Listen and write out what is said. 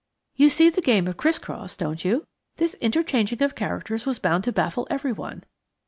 "You see the game of criss cross, don't you? This interchanging of characters was bound to baffle everyone.